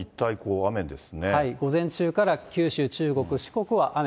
午前中から九州、中国、四国は雨。